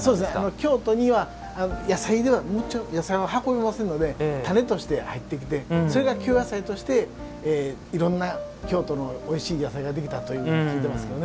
京都には野菜を運びますので種として入ってきてそれが、京野菜としていろんな京都のおいしい野菜ができたと聞いています。